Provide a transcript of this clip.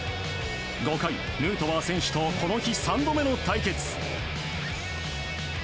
５回、ヌートバー選手とこの日３度目の対決。